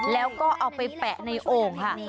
แล้วก็เอาไปแปะในโอ่งค่ะ